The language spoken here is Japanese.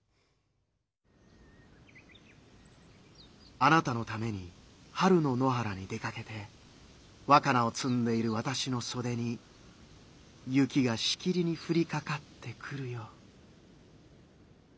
「あなたのために春の野原に出かけて若菜をつんでいるわたしのそでに雪がしきりに降りかかってくるよ」。